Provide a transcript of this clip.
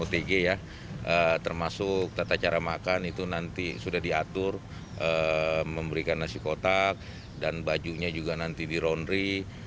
tata cara makan itu nanti sudah diatur memberikan nasi kotak dan bajunya juga nanti dirondri